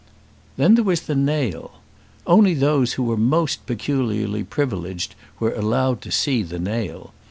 Then there was the nail. Only those who were most peculiarly privileged were allowed to see the nail.